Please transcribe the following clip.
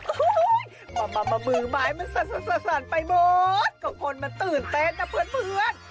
หูยยยยมะมะมะมือไม้มันสดไปหมดก็คนมันตื่นเต้นนะเพื่อน